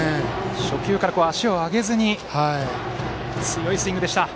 初球から足を上げずに強いスイングでした。